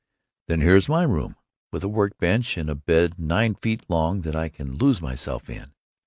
"Then here's my room, with a work bench and a bed nine feet long that I can lose myself in."